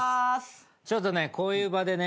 ちょっとねこういう場でね